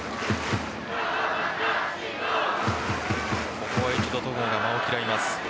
ここは一度戸郷が間を取ります。